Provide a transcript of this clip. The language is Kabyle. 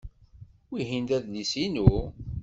Wihin d adlis-inu?